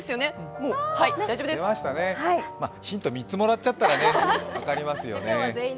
ヒント３つもらっちゃったら分かりますよね。